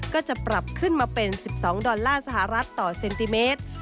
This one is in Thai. ก็จะปรับขึ้นมาเป็น๑๒ดอลลาร์สหรัฐต่อเซนติเมตร